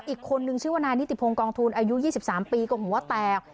อีกคนนึงชื่อว่านายนิติพงศ์กองทูลอายุ๒๓ปีก็หัวแตก